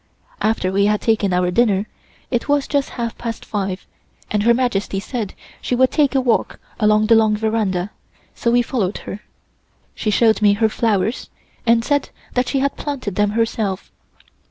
After we had taken our dinner it was just half past five, and Her Majesty said she would take a walk along the long veranda, so we followed her. She showed me her flowers, and said that she had planted them herself.